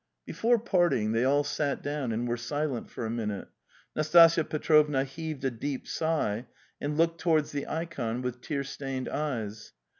| Before parting they all sat down and were silent for a minute. Nastasya Petrovna heaved a deep sigh and looked towards the ikon with tear stained eyes.